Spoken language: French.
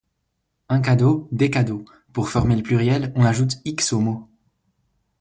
Un cadeau - Des cadeaux : Pour former le pluriel, on ajoute "-x" au mot.